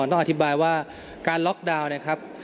ต้องอธิบายว่าการล็อกดาวน์นะครับ